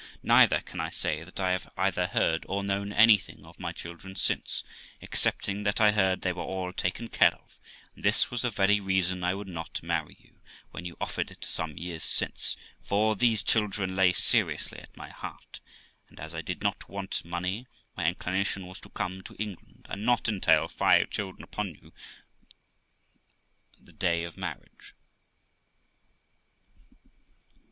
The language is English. Neither can I say that I have either heard or known anything of my children since, excepting that I heard they were all taken care of; and this was the very reason I would not marry you, when you offered it some years since, for these children lay seriously at my heart, and, as I did not want money, my inclination was to come to England, and not entail five children upon you the day of marriage.'